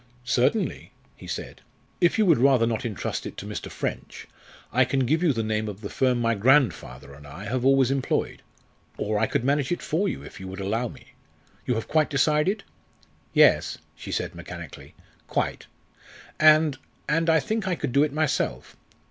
"Certainly," he said. "If you would rather not entrust it to Mr. French, I can give you the name of the firm my grandfather and I have always employed; or I could manage it for you if you would allow me. You have quite decided?" "Yes," she said mechanically, "quite. And and I think I could do it myself.